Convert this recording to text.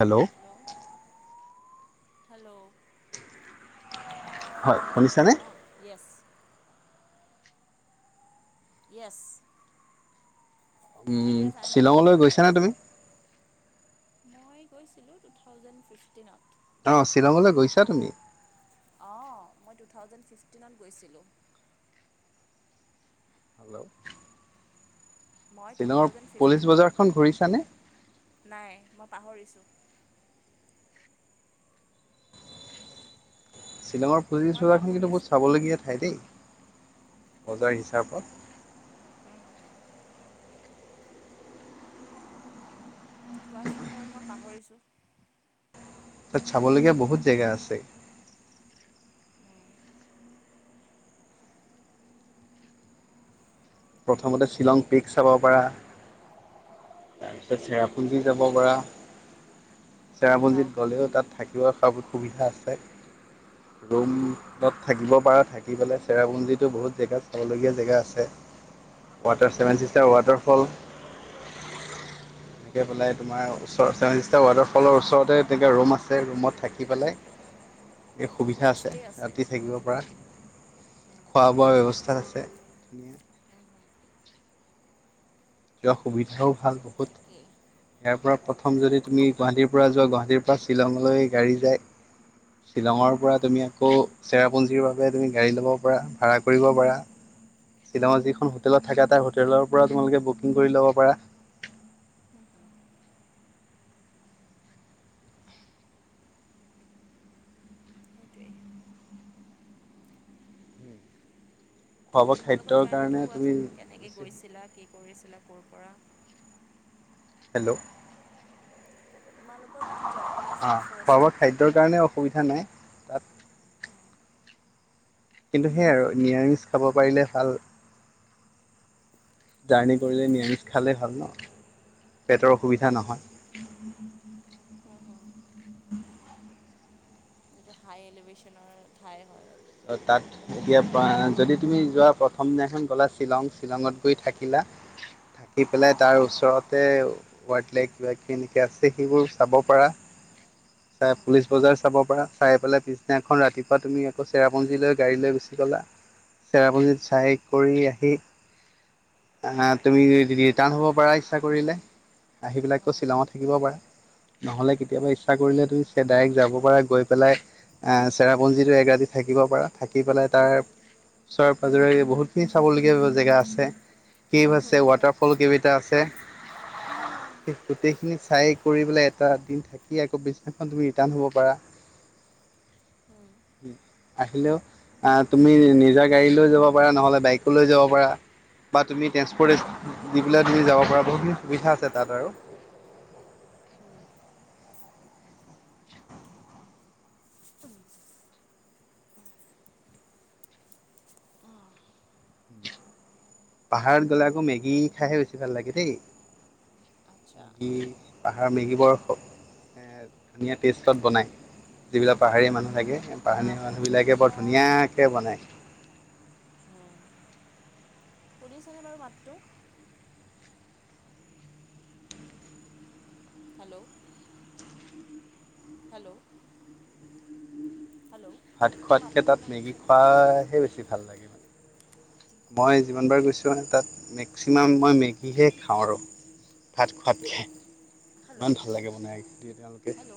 Hello? Hello? Hello হয় hello শুনিছানে? অ, yes. Yes. Um yes I am getting শ্বিলঙলৈ ইয়ৰ গৈছানে ভইচ তুমি? মই গৈছিলোঁ টু থাউজেণ্ড ফিফটিনত। অ, শ্বিলঙলৈ গৈছা তুমি। অ, মই টু থাউজেণ্ড ফিফটিনত গৈছিলোঁ। হেল্ল, মই টু শ্বিলঙৰ থাউজেণ্ড পুলিচ ফিফটিনত, বজাৰখন ঘূৰিছানে? নাই মই পাহৰিছোঁ। শ্বিলঙৰ পুঁজি মই চজাৰখন কিন্তু বহুত পাহৰিছোঁ চাবলগীয়া ঠাই দেই, বজাৰ হিচাপত। উম, হয়, কোৱাচোন বাৰু মই পাহৰিছোঁ। তাত চাবলগীয়া বহুত জেগা আছে। হুম প্ৰথমতে শ্বিলং পেক চাব পৰা। তাৰপিছত চেৰাপুঞ্জি যাব পৰা। হুম চেৰামঞ্জীিত ডাউকি গ'লেও তাত থাকিব স সুবিধা আছে, হুম ৰৰুমত। থাকিব পাৰঁ থাকি পেলাই চেৰাপুঞ্জীো বহুত জেগাত চাবলগীয়া জেগা আছে। ৱাটাৰ চছেভে হুম হুম চিষ্টাৰ ৱাটাৰফল। তেনেকৈ পেলাই তোমাৰ ওচৰেষ্টটা ৱাটাৰফলৰ ওচৰতে তেনেকৈ ৰুম আছে ৰুমত থাকি পেলাই। [unintelligible] এই সুবিধা আছে ৰাতি থাকিব পৰা হুম খোৱা বোৱা ব্যৱস্থাত আছে। ধুনীয়া যোৱা সুবিধাও ভাল প তাকে। ইয়াৰ পৰা প্ৰথম যদি তুমি গুৱাহাটীৰ পৰা যোৱা গুৱাহাটীৰ পৰা শ্বিলঙলৈ গাড়ী যায়, শ্বিলঙৰ পৰা তুমি আকৌ চেৰাপুঞ্জীৰ বাবে তুমি গাড়ী ল'ব পাৰা, ভাড়া কৰিব পাৰা। শ্বিলঙত যিখন হোটেলত থাকা তাৰ হোটেলৰ পৰা তোমালোকে বুকিং কৰি ল'ব পাৰা। [unintelligible] সেইটোৱেই। খোৱা বোৱা তোমালোকৰ খাদ্যৰ জাৰ্ণিটো কাৰণে তুমি কোৱাচোন কেনেকৈ গৈছিলা কি কৰিছিলা, ক'ৰ পৰা। হেল্ল, তোমালোকৰ যিটো জাৰ্ণি অ আছিলে খোৱা বোৱা খাদ্যৰ ফাৰ্ষ্ট কাৰণে কেনেক অসুবিধা নাই। তাত কিন্তু সেয়াই আৰু নিৰামিষ খাব পাৰিলে ভাল। জাৰ্ণি কৰিলে নিৰামিষ খালেই ভাল ন, পেটৰ অসুবিধা নহয়। হ, হ যিটো হাই এলিভেশ্যনৰ ঠাই হয়। তাত ত' তাতে এতিয়া প যদি তুমি যোৱা প্ৰথম দিনাখন গ'লা শ্বিলং, শ্বিলঙত গৈ থাকিলা। থাকি পেলাই তাৰ ওচৰতে। [unintelligible] এনেকে আছে সেইবোৰ চাব পাৰা। চাই পুলিচ বজাৰ চাব পাৰা, চাই পেলাই পিছদিনাখন ৰাতিপুৱা তুমি আকৌ, চেৰাপুঞ্জীলৈ গাড়ী লৈ গুচি গ'লা। চেৰাপুঞ্জীত চাই কৰি আহি। তুমি ৰিটাৰ্ণ হ'ব পাৰা, ইচ্ছা কৰিলে। আহি পেলাই আকৌ, শ্বিলঙত থাকিব পাৰা। নহ'লে, কেতিয়াবা ইচ্ছা কৰিলে তুমি চেডাইৰেক্ট যাব পাৰা গৈ পেলাই চেৰাপুঞ্জীটো একৰাতি থাকিব পাৰা, থাকি পেলাই তাৰ ওচৰে-পাজৰে বহুতখিনি চাবলগীয়া জেগা আছে। কেড আছে, ৱাটাৰফল সৰু কেভ এটা আছে। গোটেইখিনি চাই কৰি পেলাই এটা দিন থাকি, আকৌ তুমি আকৌ পিছদিনা ৰিটাৰ্ণ হ'ব পাৰা। আহিলেও আহ, তুমি নিজৰ গাড়ী লৈ যাব পাৰা নহ'লে বাইকোলৈ যাব পাৰা। বা তুমি ট্ৰেন্সপৰ্ট [unintelligible] পেলাই তুমি যাব পৰা বহুতখিনি সুবিধা আছে তাত আৰু। উম, [inaudible] [inaudible] পাহাৰত গ'লে সেই আকৌ মেগী খাইহে বেছি ভাল লাগে, দেই। আচ্ছা। উম, পাহাৰৰ মেগী বৰ ধুনীয়া টেষ্টত বনায়। যিবিলাক অঁ পাহাৰীয়া মানুহ আমি থাকে, পাহাৰীয়া আমি মানুহবিলাকে বৰ যেতিয়া ধুনীয়াকে বনায়। উম, শুনিছানে বাৰু মাতটো? হেল্ল'? হেল্ল'? হেল্ল'? ভাত মোৰ খোৱাতকে মাতটো তাত শুনা মেগী গৈছেনে খোৱাহে বেছি ভাল লাগে, আই থিংক শুনা মই পোৱা যিমান বাৰ নাই গৈছোঁ তোমাৰ তাত মেক্সিমাম মই মেগীহে খাওঁ আৰু ভাত খোৱাতকে। ইমান হেল্ল' ভাল লাগে বনাই দিয়ে তেওঁলোকে। হেল্ল'